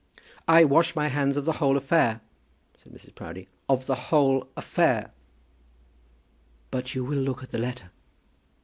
"I wash my hands of the whole affair," said Mrs. Proudie "of the whole affair!" "But you will look at the letter?"